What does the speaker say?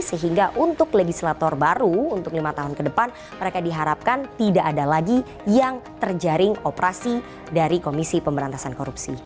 sehingga untuk legislator baru untuk lima tahun ke depan mereka diharapkan tidak ada lagi yang terjaring operasi dari komisi pemberantasan korupsi